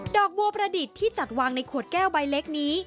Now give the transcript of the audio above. อกบัวประดิษฐ์ที่จัดวางในขวดแก้วใบเล็กนี้